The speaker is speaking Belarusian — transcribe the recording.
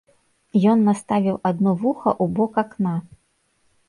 Ён наставіў адно вуха ў бок акна.